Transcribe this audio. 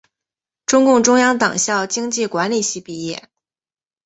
中共中央党校经济管理系毕业。